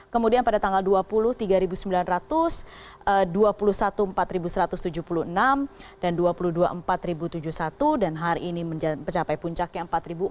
kemudian pada tanggal dua puluh tiga ribu sembilan ratus dua puluh satu empat ribu satu ratus tujuh puluh enam dan dua puluh dua empat ribu tujuh puluh satu dan hari ini mencapai puncak yang empat ribu empat ratus enam puluh lima